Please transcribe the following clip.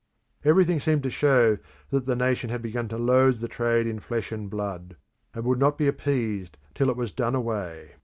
Everything seemed to show that the nation had begun to loathe the trade in flesh and blood, and would not be appeased till it was done away.